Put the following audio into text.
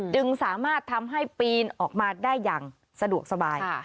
จึงสามารถทำให้ปีนออกมาได้อย่างสะดวกสบาย